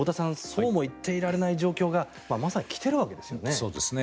そうも言っていられない状況がまさに来ているわけですね。